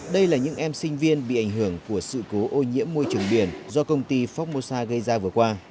đây là những em sinh viên bị ảnh hưởng của sự cố ô nhiễm môi trường biển do công ty formosa gây ra vừa qua